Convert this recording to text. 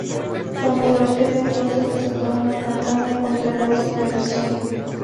Samuel Ortega, entonces, desató una campaña contra la subversión.